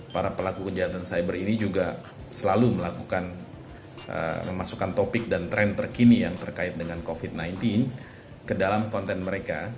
para pelaku kejahatan cyber ini juga selalu melakukan memasukkan topik dan tren terkini yang terkait dengan covid sembilan belas ke dalam konten mereka